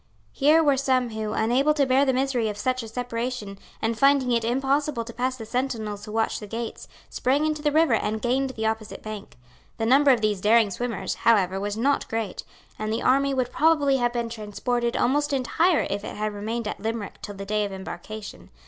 Here were some who, unable to bear the misery of such a separation, and, finding it impossible to pass the sentinels who watched the gates, sprang into the river and gained the opposite bank. The number of these daring swimmers, however, was not great; and the army would probably have been transported almost entire if it had remained at Limerick till the day of embarkation.